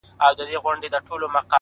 علم د عقل او منطق بنسټ دی’